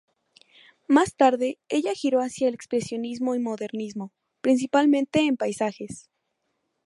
Más tarde, ella giró hacia el expresionismo y modernismo, principalmente en paisajes.